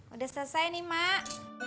udah selesai nih mak